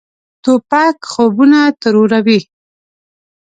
توپک خوبونه تروروي.